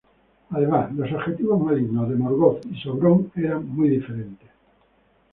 Además, los objetivos malignos de Morgoth y Sauron eran muy diferentes.